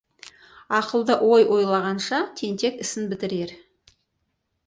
Ақылды ой ойлағанша, тентек ісін бітірер.